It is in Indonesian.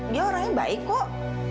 dia orangnya baik kok